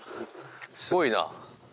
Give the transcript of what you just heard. すごいな。